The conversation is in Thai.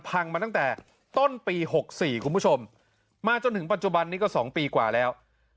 มาตั้งแต่ต้นปี๖๔คุณผู้ชมมาจนถึงปัจจุบันนี้ก็๒ปีกว่าแล้ว